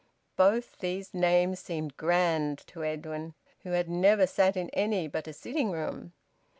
Both these names seemed `grand' to Edwin, who had never sat in any but a sitting room.